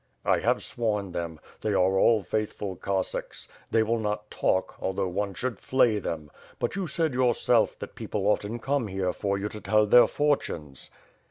^' "I have sworn them. They are all faithful Cossacks. They will not talk, although one should flay them. But you said yourself that people often come here for you to tell their fortunes."